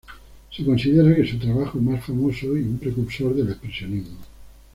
Se considera que su trabajo más famoso y un precursor del expresionismo.